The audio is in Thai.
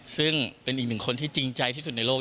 ซึ่งเป็นอีกหนึ่งคนที่จริงใจที่สุดในโลก